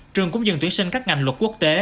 trường cũng dừng tuyển sinh các ngành luật quốc tế